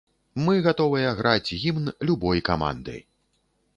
Мы гатовыя граць гімн любой каманды.